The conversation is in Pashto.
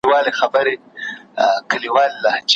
ما مي له پېړیو د ساحل تمه شلولې ده